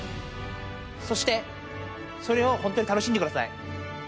そして、それを本当に楽しんでください。